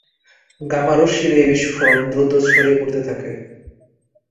Gamma রশ্মির এই বিস্ফোরণ দ্রুত ছড়িয়ে পড়তে থাকে।